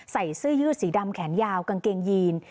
ใส่เสื้อยืดสีดำแขนยาวกางเกงยีน